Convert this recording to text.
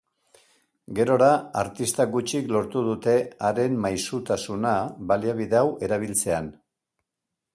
Gerora artista gutxik lortu dute haren maisutasuna baliabide hau erabiltzean.